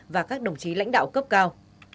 và các đồng chí lãnh đạo cấp cao